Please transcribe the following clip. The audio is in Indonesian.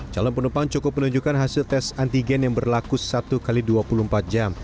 calon penumpang cukup menunjukkan hasil tes antigen yang berlaku satu x dua puluh empat jam